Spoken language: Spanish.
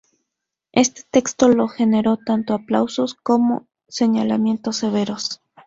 Este texto le generó tanto aplausos como señalamientos severos.